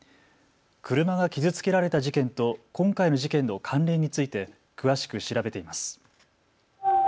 車が傷つけられた事件と今回の事件の関連について詳しく調べています。